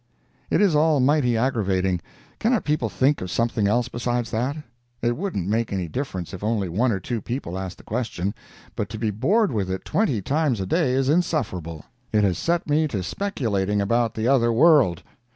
It is almighty aggravating. Cannot people think of something else besides that? It wouldn't make any difference if only one or two people asked the question; but to be bored with it twenty times a day is insufferable. It has set me to speculating about the other world.